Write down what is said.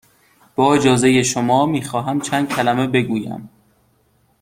با اجازه شما، می خواهم چند کلمه بگویم.